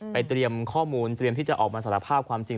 เตรียมข้อมูลเตรียมที่จะออกมาสารภาพความจริง